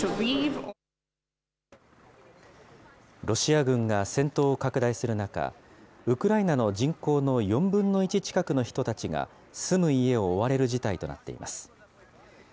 ロシア軍が戦闘を拡大する中、ウクライナの人口の４分の１近くの人たちが、住む家を追われる事態となっています。